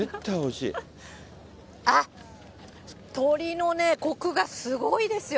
あっ、鶏のね、こくがすごいですよ。